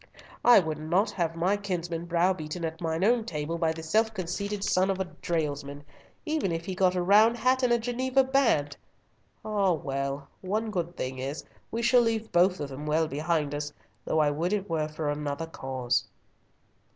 "I would not have my kinsman browbeaten at mine own table by the self conceited son of a dalesman, even if he have got a round hat and Geneva band! Ah, well! one good thing is we shall leave both of them well behind us, though I would it were for another cause."